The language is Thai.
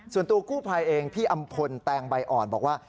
ส่วนตัวกู้ภัยเองพี่อำพลแตงใบอ่อนบอกว่า